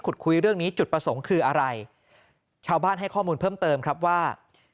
คุยเรื่องนี้จุดประสงค์คืออะไรชาวบ้านให้ข้อมูลเพิ่มเติมครับว่า